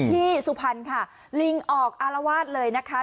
ที่สุพันค่ะลิงออกอาลาวาดเลยนะคะ